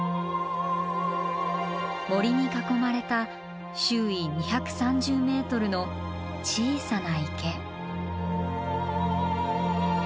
森に囲まれた周囲２３０ｍの小さな池。